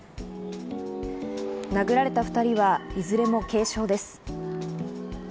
殴られた２人はいずれも軽傷です。